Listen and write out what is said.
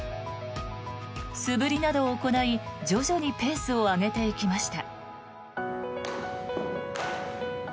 素振りなどを行い、徐々にペースを上げていきました。